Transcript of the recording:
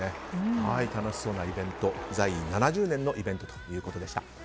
楽しそうなイベント在位７０年のイベントということでした。